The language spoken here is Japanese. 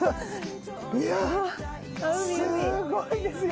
いやすごいですよ